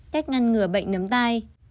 cách ngăn ngừa bệnh nấm tay